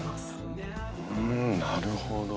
うんなるほど。